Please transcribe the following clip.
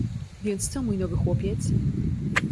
"„Więc to mój nowy chłopiec?"